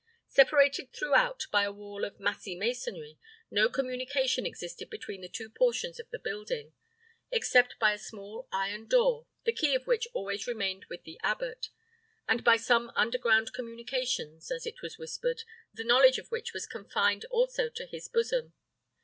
Separated throughout by a wall of massy masonry, no communication existed between the two portions of the building, except by a small iron door, the key of which always remained with the abbot, and by some underground communications, as it was whispered, the knowledge of which was confined also to his bosom.